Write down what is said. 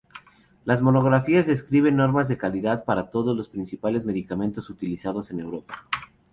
Las monografías describen normas de calidad para todos los principales medicamentos utilizados en Europa.